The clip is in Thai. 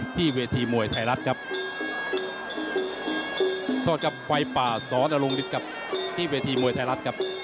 นรงคันเทพที่เวทีมวยไทยรัฐครับ